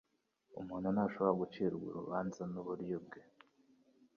Umuntu ntashobora gucirwa urubanza nuburyo bwe.